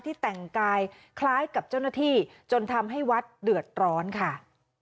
แต่งกายคล้ายกับเจ้าหน้าที่จนทำให้วัดเดือดร้อนค่ะ